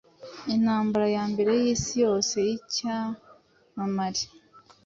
Intambara ya Mbere yIsi Yose y icyamamare